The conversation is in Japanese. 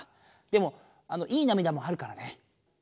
でもいいなみだもあるからね。